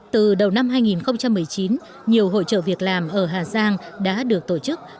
từ đầu năm hai nghìn một mươi chín nhiều hỗ trợ việc làm ở hà giang đã được tổ chức